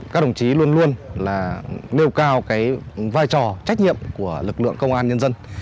các đồng chí luôn luôn nêu cao vai trò trách nhiệm của lực lượng công an nhân dân